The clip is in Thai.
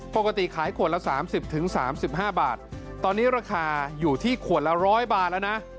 ปกติขายขวดละ๓๐๓๕บาทตอนนี้ราคาอยู่ที่ขวดละ๑๐๐บาทแล้วนะ